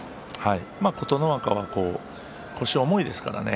琴ノ若は腰が重いですからね。